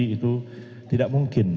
itu tidak mungkin